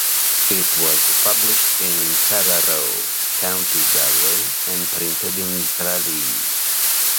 It was published in Carraroe, County Galway and printed in Tralee.